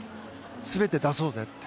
全て出そうぜって。